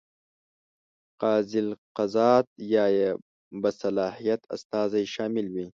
قاضي القضات یا یې باصلاحیت استازی شامل وي.